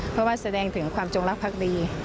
เพราะว่าแสดงถึงความจงลักษณ์พรรคดี